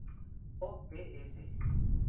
O. T. S.".